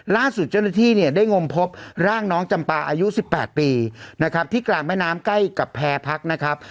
ล่าสุดเจ้าหน้าที่เนี่ยได้งมพบร่างน้องจำปาอายุ๑๘ปีนะครับที่กลางแม่น้ำใกล้กับแพร่พักนะครับ